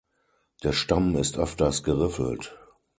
Der Stamm ist öfters geriffelt.